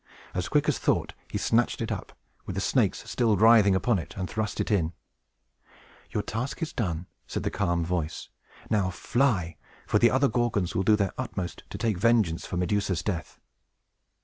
As quick as thought, he snatched it up, with the snakes still writhing upon it, and thrust it in. "Your task is done," said the calm voice. "Now fly; for the other Gorgons will do their utmost to take vengeance for Medusa's death."